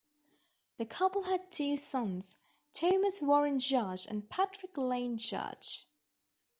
The couple had two sons, Thomas Warren Judge and Patrick Lane Judge.